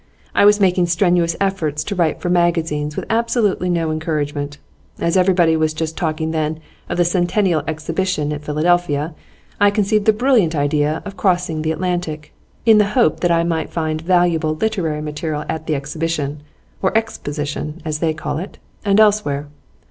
I was making strenuous efforts to write for magazines, with absolutely no encouragement. As everybody was talking just then of the Centennial Exhibition at Philadelphia, I conceived the brilliant idea of crossing the Atlantic, in the hope that I might find valuable literary material at the Exhibition or Exposition, as they called it and elsewhere.